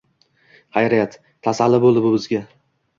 Hayriyat tasalli bo‘ldi bu bizga.